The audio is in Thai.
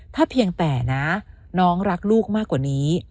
ถ้าเพียงแต่นะน้องรักลูกมากกว่านี้